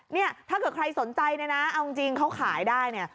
เนี่ยถ้าเกิดใครสนใจเนี่ยนะเอาจริงเขาขายได้เนี่ย